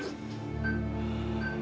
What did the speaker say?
dia sudah berakhir